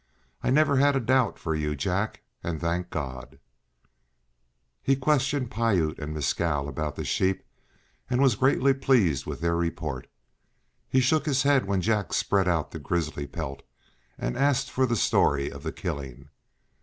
I never had a doubt for you, Jack and thank God!" He questioned Piute and Mescal about the sheep, and was greatly pleased with their report. He shook his head when Jack spread out the grizzly pelt, and asked for the story of the killing.